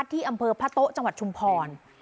ที่อำเภอพระโต๊ะจังหวัดชุมพร